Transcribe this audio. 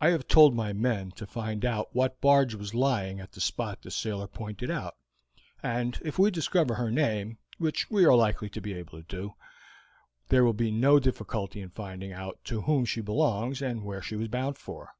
"I have told my men to find out what barge was lying at the spot the sailor pointed out, and if we discover her name, which we are likely to be able to do, there will be no difficulty in finding out to whom she belongs and where she was bound for.